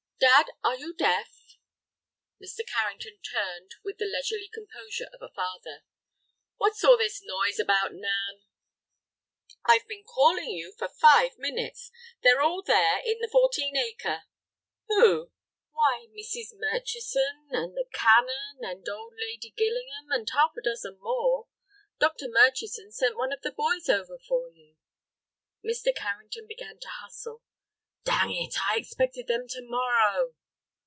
"Dad, are you deaf?" Mr. Carrington turned with the leisurely composure of a father. "What's all this noise about, Nan?" "I've been calling you for five minutes. They're all there—in the fourteen acre." "Who?" "Why, Mrs. Murchison and the Canon, and old Lady Gillingham, and half a dozen more. Dr. Murchison sent one of the boys over for you." Mr. Carrington began to hustle. "Dang it, I expected them to morrow!"